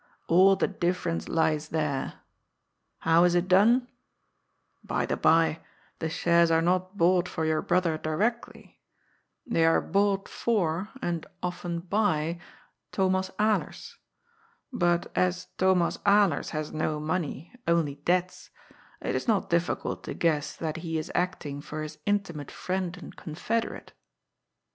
All the difference lies there. How is it done ? By the bye, the shares are not bought for your brother directly. They are bought for — and often by — Thomas Alers. But as Thomas Alers has no money, only debts, it is not difficult to guess that he is acting for his intimate friend and confederate."